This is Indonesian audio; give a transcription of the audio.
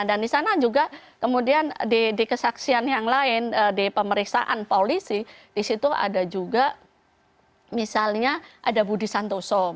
dan disana juga kemudian di kesaksian yang lain di pemeriksaan polisi disitu ada juga misalnya ada budi santoso